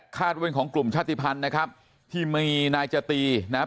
คาดเว้นของกลุ่มชาติภัณฑ์นะครับที่มีนายจะตีนะฮะ